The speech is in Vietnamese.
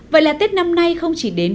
vậy là tết năm nay không chỉ là một ngày tốt